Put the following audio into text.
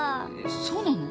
そうなの？